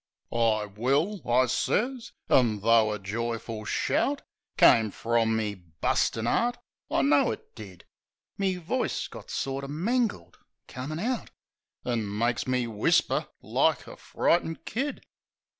"I will," I sez. An' tho' a joyful shout Come from me bustin' 'eart — I know it did — Me voice got sorter mangled comin' out. An' makes me whisper like a frightened kid.